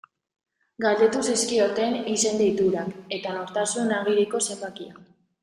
Galdetu zizkioten izen-deiturak eta nortasun agiriko zenbakia.